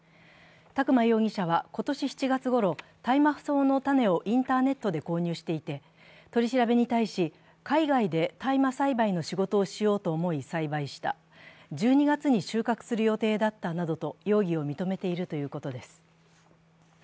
宅間容疑者は今年７月ごろ、大麻草の種をインターネットで購入していて、取り調べに対し、海外で大麻栽培の仕事をしようと思い栽培した、１２月に収穫する予定だったなどと容疑を認めているということです。